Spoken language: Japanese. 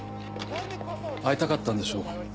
会いたかったんでしょう。